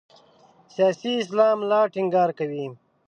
سیاسي اسلام لا ټینګار کوي.